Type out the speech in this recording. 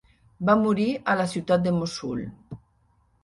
Va morir a la ciutat de Mossul.